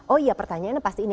oh iya pertanyaannya pasti ini